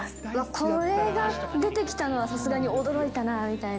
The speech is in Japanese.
これが出てきたのは、さすがに驚いたなみたいな。